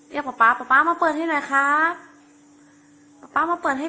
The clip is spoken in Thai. เรียกป่าวป่าวป่าวมาเปิดให้หน่อยครับป่าวมาเปิดให้